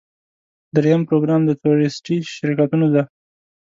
دریم پروګرام د تورېستي شرکتونو دی.